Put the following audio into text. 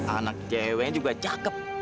anak ceweknya juga cakep